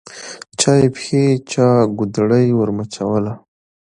چا یې پښې چا ګودړۍ ورمچوله